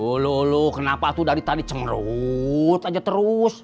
ulu ulu kenapa tuh dari tadi cemerut aja terus